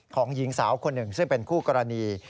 หญิงสาวคนหนึ่งซึ่งเป็นคู่กรณี